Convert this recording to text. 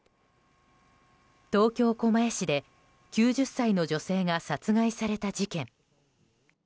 東京・狛江市で９０歳の女性が殺害された事件。